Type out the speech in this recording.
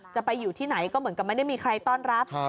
จะไปอยู่ที่ไหนก็เหมือนกับไม่ได้มีใครต้อนรับ